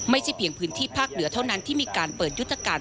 ไม่ใช่เพียงพื้นที่ภาคเหนือเท่านั้นที่มีการเปิดยุทธการ